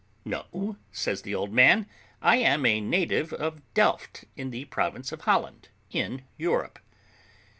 "No," says the old man, "I am a native of Delft, in the province of Holland, in Europe."